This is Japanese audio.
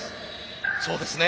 そうですね。